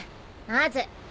まず。